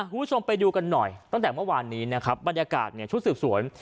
คุณผู้ชมไปดูกันหน่อยตั้งแต่เมื่อวานนี้นะครับบรรยากาศเนี่ยชุดสืบสวน